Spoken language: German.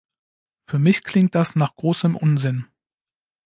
Für mich klingt das nach großem Unsinn.